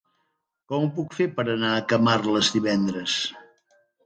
Com ho puc fer per anar a Camarles divendres?